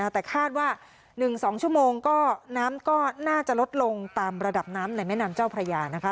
แต่คาดว่า๑๒ชั่วโมงก็น้ำก็น่าจะลดลงตามระดับน้ำในแม่น้ำเจ้าพระยานะคะ